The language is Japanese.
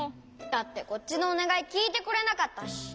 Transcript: だってこっちのおねがいきいてくれなかったし。